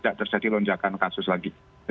tidak terjadi lonjakan kasus lagi